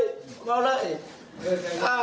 ผมอยากเห็นเอาไว้อย่างนี้สิบปีก็จะเห็น